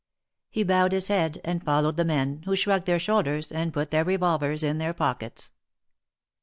He bowed his head and followed the men, who shrugged their shoulders, and put their revolvers in their pockets.